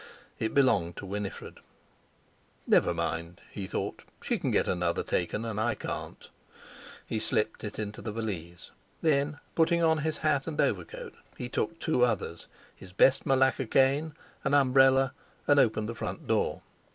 It belonged to Winifred. "Never mind," he thought; "she can get another taken, and I can't!" He slipped it into the valise. Then, putting on his hat and overcoat, he took two others, his best malacca cane, an umbrella, and opened the front door.